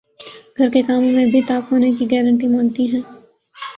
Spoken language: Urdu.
گھر کے کاموں میں بھی طاق ہونے کی گارنٹی مانگتی ہیں